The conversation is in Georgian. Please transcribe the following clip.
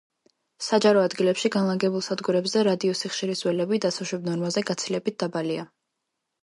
საჯარო ადგილებში განლაგებულ სადგურებზე რადიოსიხშირის ველები დასაშვებ ნორმაზე გაცილებით დაბალია.